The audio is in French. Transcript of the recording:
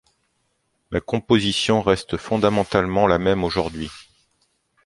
La composition reste fondamentalement la même aujourd'hui.